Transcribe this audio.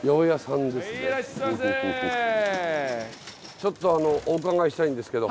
ちょっとあのお伺いしたいんですけど。